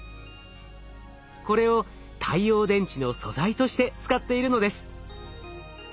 これを太陽電池の素材として使っているのです。